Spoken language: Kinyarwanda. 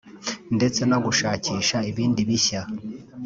ndetse no gushakisha ibindi bishya